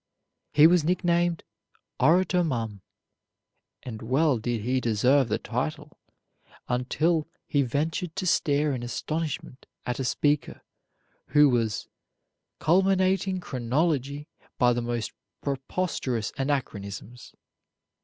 He was nicknamed "Orator Mum," and well did he deserve the title until he ventured to stare in astonishment at a speaker who was "culminating chronology by the most preposterous anachronisms."